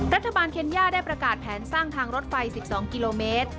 เคนย่าได้ประกาศแผนสร้างทางรถไฟ๑๒กิโลเมตร